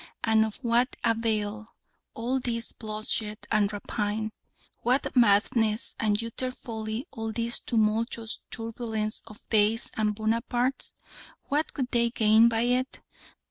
And of what avail all this bloodshed and rapine? What madness and utter folly all this tumultuous turbulence of Beys and Bonapartes! What could they gain by it?